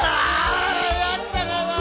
やったがな！